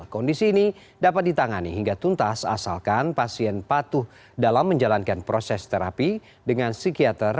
kondisi ini dapat ditangani hingga tuntas asalkan pasien patuh dalam menjalankan proses terapi dengan psikiater